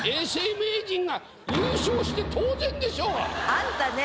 あんたね